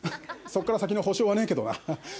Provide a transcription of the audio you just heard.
そっから先の保証はねえけどな。